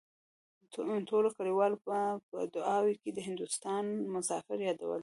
ټولو کليوالو به په دعاوو کې د هندوستان مسافر يادول.